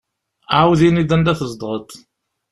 Ԑawed ini-d anda tzedɣeḍ.